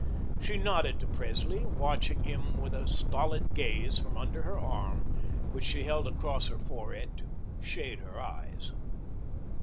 She nodded to Presley, watching him with a stolid gaze from under her arm, which she held across her forehead to shade her eyes.